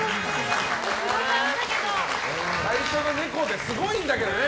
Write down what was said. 最初のネコですごいんだけどね。